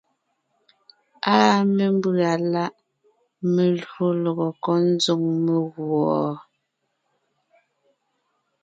Áa mémbʉ̀a láʼ melÿò lɔgɔ kɔ́ ńzoŋ meguɔ?